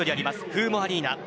フーモアリーナ。